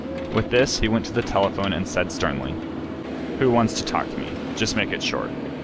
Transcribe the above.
With this he went to the telephone and said sternly: "Who wants to talk to me? Just make it short."